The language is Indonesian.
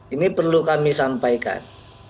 ini perlu kami sampaikan